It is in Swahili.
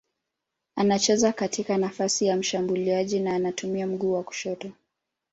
Anacheza katika nafasi ya mshambuliaji na anatumia mguu wa kushoto.